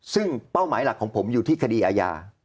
ซึ่งเป้าหมายหลักของผมอยู่ที่คดีอาญา